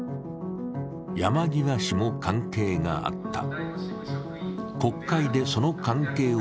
山際氏も関係があった。